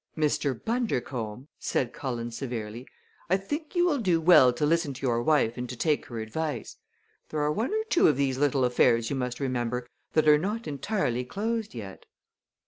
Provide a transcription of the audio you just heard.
"Mr. Bundercombe," said Cullen severely, "I think you will do well to listen to your wife and to take her advice. There are one or two of these little affairs, you must remember, that are not entirely closed yet."